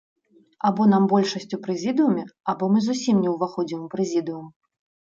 Або нам большасць у прэзідыуме, або мы зусім не ўваходзім у прэзідыум!